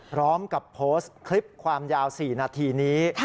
พร้อมกับโพสต์คลิปความยาว๔นาทีนี้